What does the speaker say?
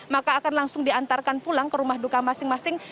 maka akan langsung diantarkan pulang ke rumah duka masing masing